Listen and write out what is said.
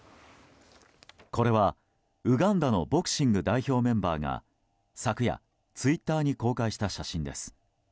これはウガンダのボクシング代表メンバーが昨夜、ツイッターに公開した写真です。